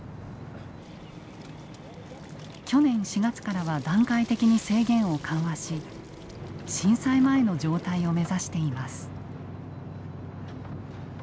去年４月からは段階的に制限を緩和し震災前の状態を目指しています。